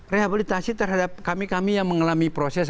rehabilitasi terhadap kami kami yang mengalami proses